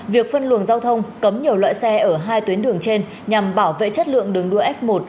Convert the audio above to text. việc phân luồng giao thông cấm nhiều loại xe ở hai tuyến đường trên nhằm bảo vệ chất lượng đường đua f một